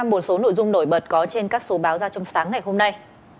một số nội dung nổi bật có trên các số báo ra trong sáng ngày hôm nay